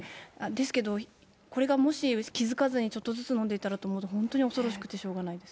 ですけど、これがもし、気付かずにちょっとずつ飲んでいたらと思うと、本当に恐ろしくてしょうがないです。